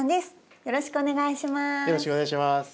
よろしくお願いします。